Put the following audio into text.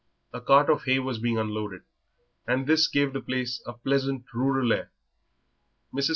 A cart of hay was being unloaded, and this gave the place a pleasant rural air. Mrs.